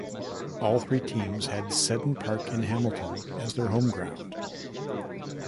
All three teams had Seddon Park in Hamilton as their home ground.